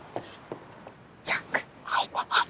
チャック開いてます。